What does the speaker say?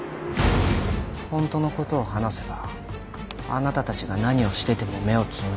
本当の事を話せばあなたたちが何をしてても目をつむります。